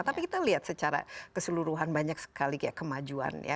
tapi kita lihat secara keseluruhan banyak sekali kemajuan ya